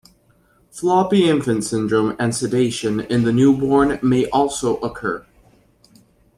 Floppy infant syndrome and sedation in the newborn may also occur.